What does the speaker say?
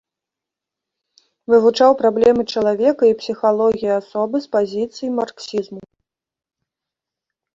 Вывучаў праблемы чалавека і псіхалогіі асобы з пазіцый марксізму.